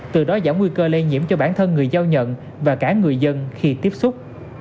từ đó giảm nguy cơ lây nhiễm cho bản thân người giao nhận và cả người dân khi tiếp xúc